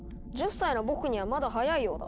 １０歳の僕にはまだ早いようだ」。